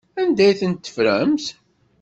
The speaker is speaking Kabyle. Anda ay tent-teffremt?